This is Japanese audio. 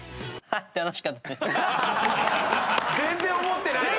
全然思ってない。